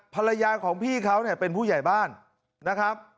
ภรรยาของพี่เขาเนี่ยเป็นผู้ใหญ่บ้านนะครับ